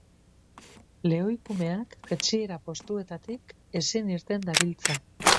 Lehoikumeak jaitsiera postuetatik ezin irten dabiltza.